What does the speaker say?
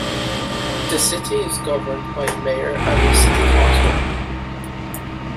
The city is governed by a mayor and a city council.